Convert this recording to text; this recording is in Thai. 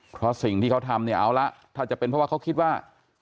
เพราะสิ่งที่เขาทำเนี่ยเอาละถ้าจะเป็นเพราะว่าเขาคิดว่า